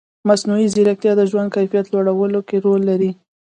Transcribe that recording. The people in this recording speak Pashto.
مصنوعي ځیرکتیا د ژوند کیفیت لوړولو کې رول لري.